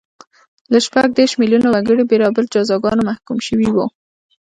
له شپږ دېرش میلیونه وګړي بېلابېلو جزاګانو محکوم شوي وو